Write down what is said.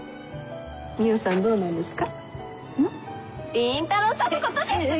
海音さんどうなんですか？